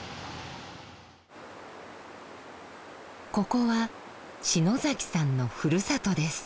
ここは篠崎さんのふるさとです。